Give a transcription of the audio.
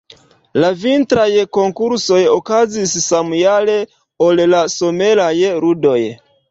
La vintraj konkursoj okazis samjare ol la someraj ludoj.